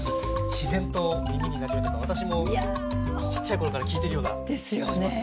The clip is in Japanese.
自然と耳になじむというか私もちっちゃい頃から聞いてるような気がしますね。